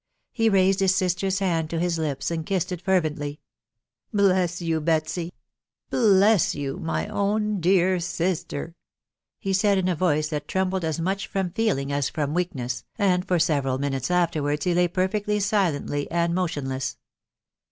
He raised his sister's hand to his lips, and kissed it fervently. " Bless you, Betsy !.... bless you, my own dear sister f" .... he said in a voice that trembled as much from feeling as from weakness, and for •several minutes afterwards he lay perfectly silently and mo tionless.